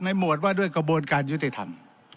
หมวดว่าด้วยกระบวนการยุติธรรม